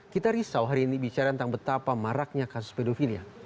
kita risau hari ini bicara tentang betapa maraknya kasus pedofilia